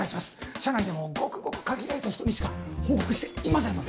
社内でもごくごく限られた人にしか報告していませんので。